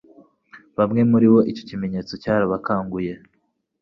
bamwe muri bo icyo kimenyetso cyarabakanguye.